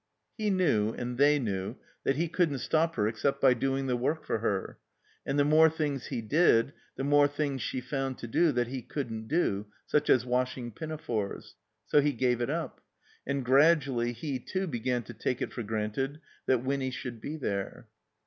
He knew, and they knew, that he couldn't stop her except by doing the work for her; and the more things he did the more things she found to do that he couldn't do, such as washing pinafores. So he gave it up; and gradually he too began to take it for granted that Winny should be there.